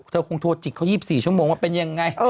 เธอคงโทรจิกเขา๒๔ชั่วโมงว่าเป็นยังไง